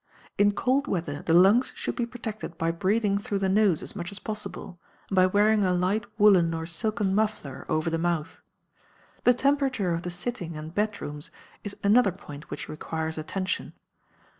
In cold weather the lungs should be protected by breathing through the nose as much as possible, and by wearing a light woolen or silken muffler over the mouth. The temperature of the sitting and bed rooms is another point which requires attention.